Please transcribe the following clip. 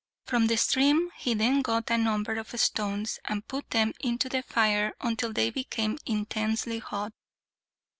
From the stream he then got a number of stones, and put them into the fire until they became intensely hot.